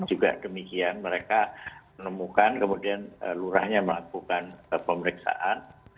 juga demikian mereka menemukan kemudian lurahnya melakukan pemeriksaan